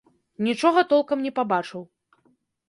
Нічога толкам не пабачыў.